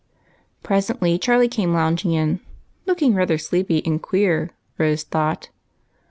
Presently Charlie came lounging in, looking rather sleepy and queer. Rose thought.